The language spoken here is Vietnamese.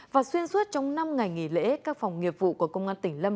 và xuyên suốt trong năm ngày nghỉ lễ các phòng nghiệp vụ của công an tỉnh lâm